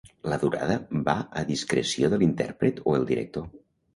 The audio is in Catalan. La durada va a discreció de l'intèrpret o el director.